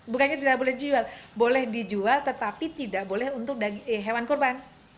bukannya tidak boleh dijual boleh dijual tetapi tidak boleh untuk hewan kurban